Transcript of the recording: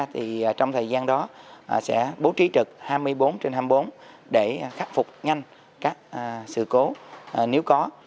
trong thời gian đó sẽ bố trí trực hai mươi bốn trên hai mươi bốn để khắc phục nhanh các sự cố nếu có